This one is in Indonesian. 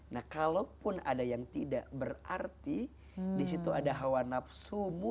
nah kalaupun ada yang tidak berarti disitu ada hawa nafsumu